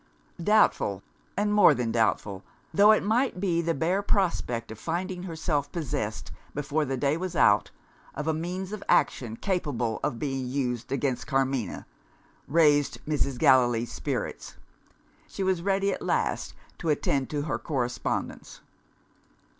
Doubtful, and more than doubtful, though it might be, the bare prospect of finding herself possessed, before the day was out, of a means of action capable of being used against Carmina, raised Mrs. Gallilee's spirits. She was ready at last to attend to her correspondence.